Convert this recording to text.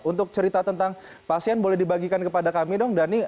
untuk cerita tentang pasien boleh dibagikan kepada kami dong dhani